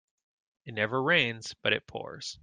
It never rains but it pours.